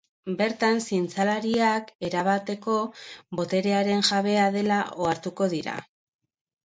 Bertan, zientzialariak erabateko boterearen jabea dela ohartuko dira.